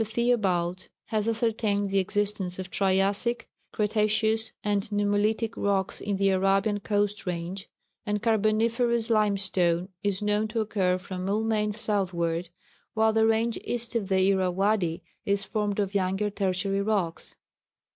Theobald has ascertained the existence of Triassic, Cretaceous, and Nummulitic rocks in the Arabian coast range; and Carboniferous limestone is known to occur from Moulmein southward, while the range east of the Irrawadi is formed of younger Tertiary rocks.